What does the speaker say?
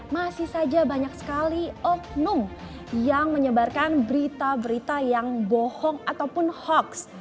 masih saja banyak sekali oknum yang menyebarkan berita berita yang bohong ataupun hoax